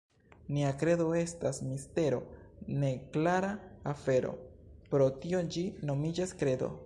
Nia kredo estas mistero, neklara afero; pro tio ĝi nomiĝas kredo.